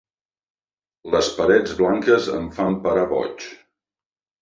Les parets blanques em fan parar boig.